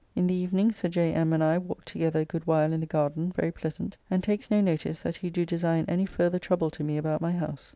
In the evening Sir J. M. and I walked together a good while in the garden, very pleasant, and takes no notice that he do design any further trouble to me about my house.